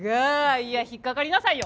いや引っかかりなさいよ！